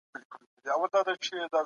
دوراني پانګه په بازار کي چټک دوران کوي.